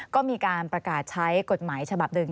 ก็มีการประกาศใช้กฎหมายฉบับหนึ่ง